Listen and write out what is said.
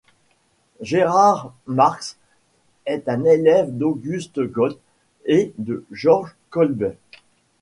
Gerhard Marcks est un élève d'August Gaul et de Georg Kolbe.